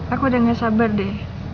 aku udah gak sabar deh